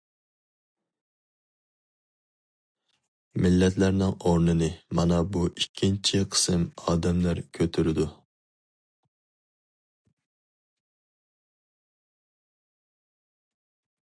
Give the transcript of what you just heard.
مىللەتلەرنىڭ ئورنىنى، مانا بۇ ئىككىنچى قىسىم ئادەملەر كۆتۈرىدۇ.